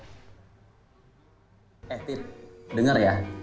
eh tit dengar ya